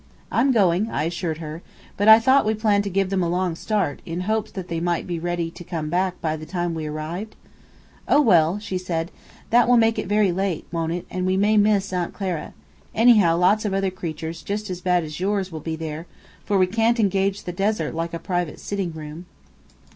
"I'm going," I assured her. "But I thought we planned to give them a long start, in hopes that they might be ready to come back by the time we arrived?" "Oh, well," she said, "that will make it very late, won't it, and we may miss Aunt Clara? Anyhow, lots of other creatures just as bad as yours will be there, for we can't engage the desert like a private sitting room."